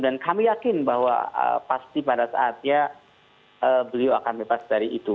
dan kami yakin bahwa pasti pada saatnya beliau akan bebas dari itu